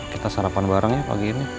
kita sarapan barang ya pagi ini